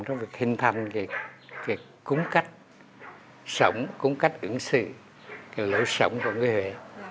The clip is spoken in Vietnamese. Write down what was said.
trong việc hình thành cái cúng cách sống cúng cách ứng xử cái lỗi sống của người huế